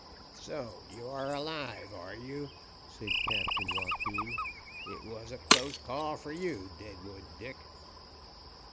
"So, you are alive, are you?" said Captain Joaquin. "It was a close call for you, Deadwood Dick."